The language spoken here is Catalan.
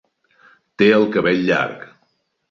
Té el cabell llarg.